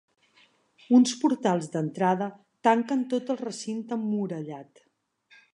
Uns portals d'entrada tanquen tot el recinte murallat.